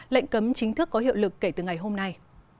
lệnh cấm chính thức có hiệu lực kể từ ngày hôm nay